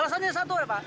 alasannya satu pak